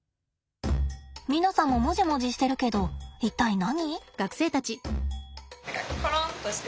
皆さんもモジモジしてるけど一体何？